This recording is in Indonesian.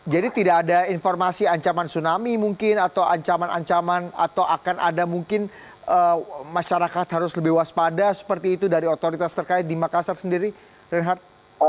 jadi tidak ada informasi ancaman tsunami mungkin atau ancaman ancaman atau akan ada mungkin masyarakat harus lebih waspada seperti itu dari otoritas terkait di makassar sendiri reinhard